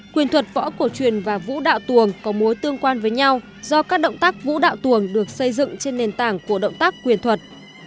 quyền thuật võ cổ truyền và vũ đạo tuồng có mối tương quan với nhau do các động tác vũ đạo tuồng được xây dựng trên nền tảng của động tác quyền thuật